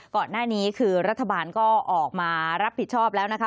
ก่อนหน้านี้คือรัฐบาลก็ออกมารับผิดชอบแล้วนะคะ